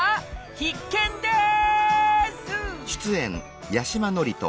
必見です！